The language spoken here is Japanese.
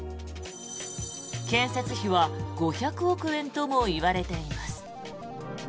建設費は５００億円ともいわれています。